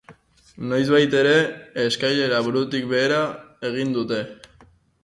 Noizbait ere, eskailera-burutik behera egin dute.